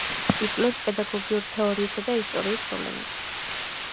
იკვლევს პედაგოგიური თეორიისა და ისტორიის პრობლემებს.